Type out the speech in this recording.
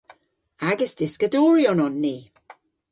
Agas dyskadoryon on ni.